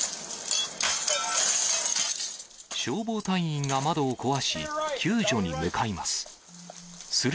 消防隊員が窓を壊し、救助に向かいます。